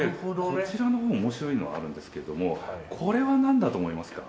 こちらの方面白いのがあるんですけどもこれはなんだと思いますか？